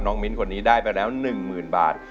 น้องมิ้นคนนี้ได้ไปแล้ว๑หมื่นบาท